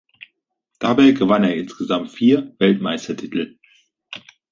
Dabei gewann er insgesamt vier Weltmeistertitel.